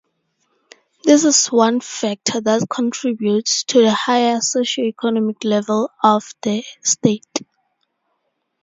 This is one factor that contributes to the higher socioeconomic level of the state.